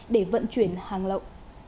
để vận chuyển hàng lậu